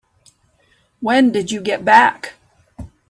When did you get back?